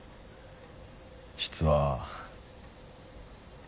実は。